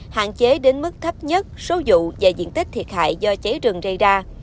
hạn chế đến mức thấp nhất số vụ và diện tích thiệt hại do cháy rừng rây ra